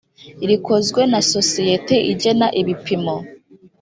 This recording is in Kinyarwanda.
rikozwe na sosiyete igena ibipimo